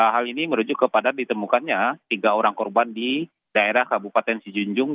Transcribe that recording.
hal ini merujuk kepada ditemukannya tiga orang korban di daerah kabupaten sijunjung